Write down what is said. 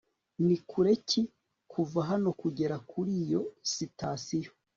Ni kure ki kuva hano kugera kuri iyo sitasiyo